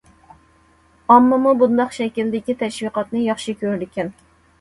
ئاممىمۇ بۇنداق شەكىلدىكى تەشۋىقاتنى ياخشى كۆرىدىكەن.